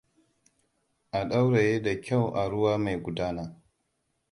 A ɗauraye da kyau a ruwa mai gudana.